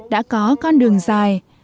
đã có con đường dài